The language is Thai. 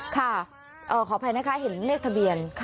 ขออภัยนะคะเห็นเลขทะเบียน